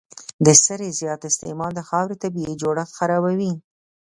د سرې زیات استعمال د خاورې طبیعي جوړښت خرابوي.